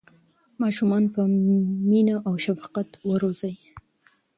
ماشومان په مینه او شفقت وروځئ.